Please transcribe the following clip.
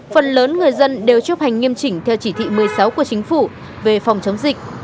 phần lớn người dân đều chấp hành nghiêm chỉnh theo chỉ thị một mươi sáu của chính phủ về phòng chống dịch